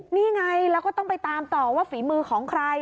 นี่ไงแล้วก็ต้องไปตามต่อว่าฝีมือของใคร